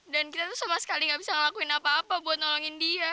kita tuh sama sekali gak bisa ngelakuin apa apa buat nolongin dia